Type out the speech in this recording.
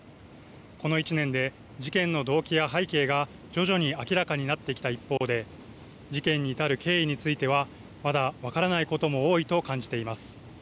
この１年で事件の動機や背景が徐々に明らかになってきた一方で事件に至る経緯についてはまだ分からないことも多いと感じています。